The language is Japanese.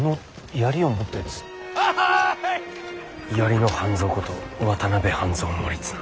槍の半蔵こと渡辺半蔵守綱。